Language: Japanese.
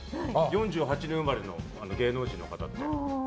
４８年生まれの芸能人の方って。